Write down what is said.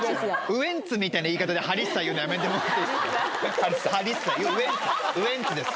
ウエンツみたいな言い方でハリッサ言うのやめてもらっていいですかハリッサウエンツウエンツです